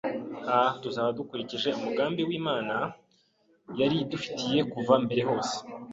ah tuzaba dukurikije umugambi Imana yari idufitiye kuva mbere hose.